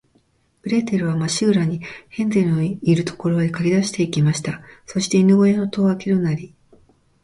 グレーテルは、まっしぐらに、ヘンゼルのいる所へかけだして行きました。そして、犬ごやの戸をあけるなり、